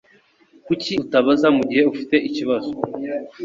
Kuki utabaza mugihe ufite ikibazo?